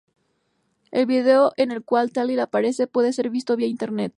El video en el cual Talley aparece puede ser visto via internet.